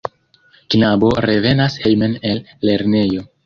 Knabo revenas hejmen el lernejo.